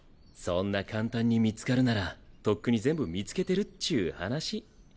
そんな簡単に見つかるならとっくに全部見つけてるっちゅう話。